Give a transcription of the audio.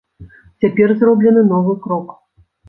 Цяпер зроблены новы крок.